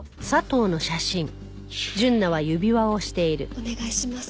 お願いします。